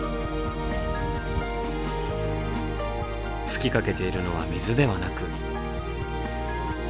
吹きかけているのは水ではなく。